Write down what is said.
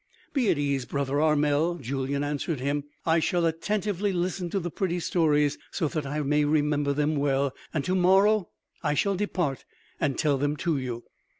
"Be at ease, brother Armel," Julyan answered him; "I shall attentively listen to the pretty stories so that I may remember them well; and to morrow ... I shall depart and tell them to you....